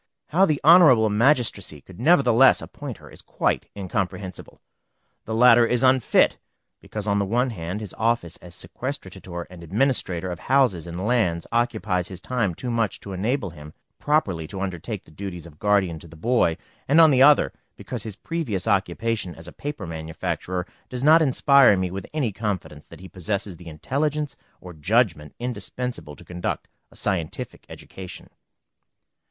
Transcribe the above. How the Honorable Magistracy could nevertheless again appoint her is quite incomprehensible. The latter is unfit; because, on the one hand, his office as sequestrator and administrator of houses and lands, occupies his time too much to enable him properly to undertake the duties of guardian to the boy; and, on the other, because his previous occupation as a paper manufacturer, does not inspire me with any confidence that he possesses the intelligence or judgment indispensable to conduct a scientific education.